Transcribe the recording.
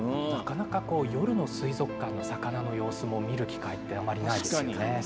なかなか夜の水族館の魚の様子を見る機会ってあまりないですね。